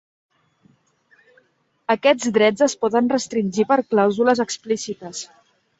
Aquests drets es poden restringir per clàusules explícites.